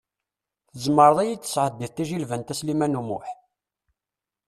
Tzemreḍ i yi-d-tesɛeddiḍ tajilbant, a Sliman U Muḥ?